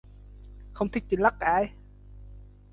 Không thích thì lắc cái